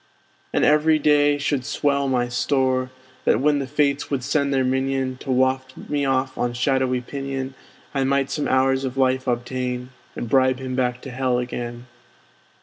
And every day should swell my store; That when the fates would send their minion, To waft me off on shadowy pinion, I might some hours of life obtain, And bribe him back to hell again.